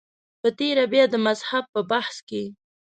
په تېره بیا د مذهب په بحث کې.